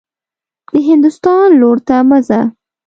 د هندوستان لور ته مه ځه.